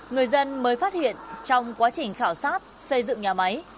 người dân mới phát hiện trong quá trình khảo sát xây dựng nhà máy